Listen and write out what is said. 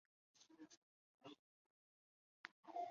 著名诗人李商隐就曾在周墀之华州幕下。